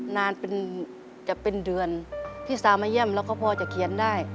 นานเป็นจะเป็นเดือนพี่สาวมาเยี่ยมแล้วก็พอจะเขียนได้